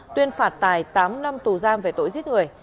tuyên phạt tài tám năm tù giam về tội giết người